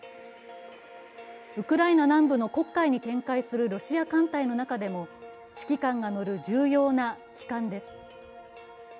ウクライナ南部の黒海に展開するロシア艦隊の中でも指揮官が乗る重要な旗艦です。